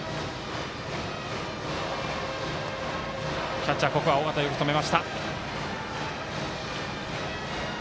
キャッチャー、尾形ここはよく止めました。